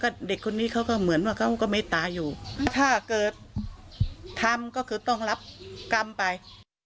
ทำก็คือต้องรับคำไป